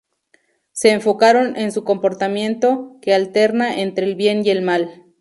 Se enfocaron en su comportamiento, que alterna entre el bien y el mal.